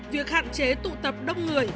việc hạn chế tụ tập đông người